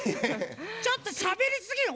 ちょっとしゃべりすぎよ